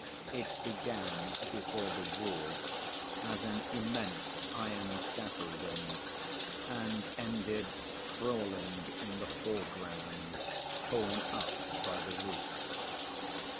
It began (before the War) as an immense iron scaffolding and ended sprawling in the foreground, torn up by the roots.